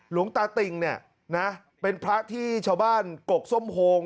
หลวงตาติ่งเนี่ยนะเป็นพระที่ชาวบ้านกกส้มโฮง